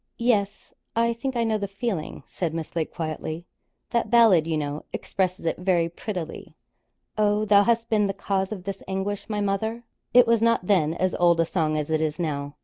'Yes; I think I know the feeling,' said Miss Lake, quietly. 'That ballad, you know, expresses it very prettily: "Oh, thou hast been the cause of this anguish, my mother?"' It was not then as old a song as it is now.